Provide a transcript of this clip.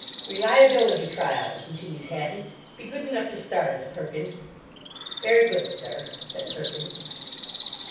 "Reliability trials," continued Hatton. "Be good enough to start us, Perkins." "Very good, sir," said Perkins.